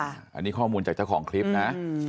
อันนี้ข้อมูลจากเจ้าของคลิปนะ